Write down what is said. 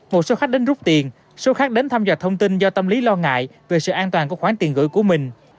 một số khách đến rút tiền số khách đến thăm dò thông tin do tâm lý lo ngại về sự an toàn của khoản tiền gửi của mình